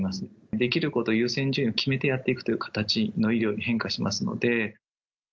できること、優先順位を決めてやっていくという形の医療に変化しますので。